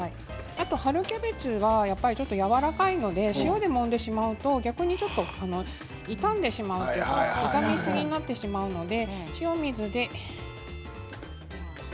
あと春キャベツはやわらかいので塩でもんでしまうと逆にちょっと傷みすぎになってしまうので塩水で。